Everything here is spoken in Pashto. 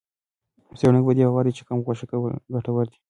څېړونکي په دې باور دي چې کم غوښه کول ګټور دي.